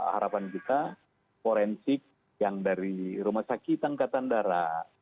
harapan kita forensik yang dari rumah sakit angkatan darat